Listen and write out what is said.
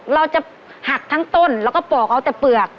เราจะหักทั้งต้นแล้วก็ปอกเอาแต่เปลือก